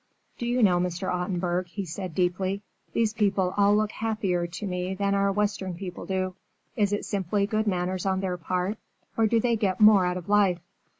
"Do you know, Mr. Ottenburg," he said deeply, "these people all look happier to me than our Western people do. Is it simply good manners on their part, or do they get more out of life?"